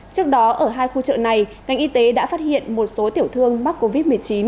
trước đó ở hai khu chợ này ngành y tế đã phát hiện một số tiểu thương mắc covid một mươi chín